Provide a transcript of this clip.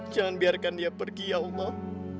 jangan biarkan dia pergi ya allah